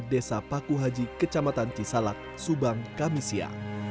desa paku haji kecamatan cisalak subang kamisia